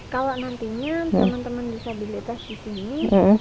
kalau nantinya teman teman disabilitas di sini